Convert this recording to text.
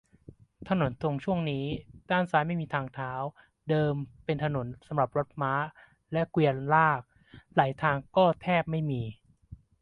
ถนนตรงช่วงนี้ ด้านซ้ายไม่มีทางเท้า เดิมเป็นถนนสำหรับรถม้าและเกวียนลาก ไหล่ทางก็แทบไม่มี